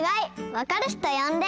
わかる人よんで！